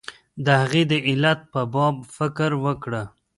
د هغې د علت په باب فکر وکړه.